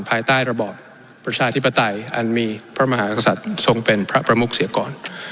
ภายใต้ระบอบประชาธิปไตยอันมีพระมหากษัตริย์ทรงเป็นพระประมุกเสียก่อน